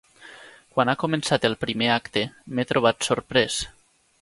Quan ha començat el primer acte, m'he trobat sorprès